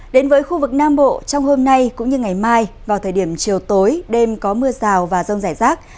đến với khu vực nam bộ trong hôm nay cũng như ngày mai vào thời điểm chiều tối đêm có mưa rào và rông rải rác